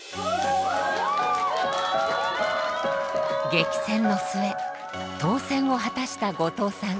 激戦の末当選を果たした後藤さん。